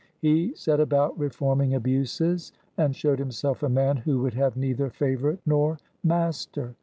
He set about reforming abuses, and showed himself a man who would have neither favorite nor master.